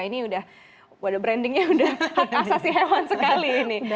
ini udah brandingnya udah hak asasi hewan sekali ini